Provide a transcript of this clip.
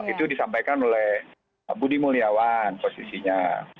itu disampaikan oleh budi mulyawan posisinya